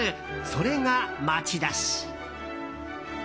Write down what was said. それが町田市。